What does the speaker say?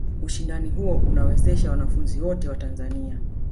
Ushindani huo unawezesha wanafunzi wote wa Tanzani